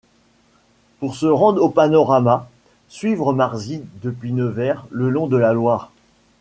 Pour se rendre au panorama, suivre Marzy depuis Nevers le long de la Loire.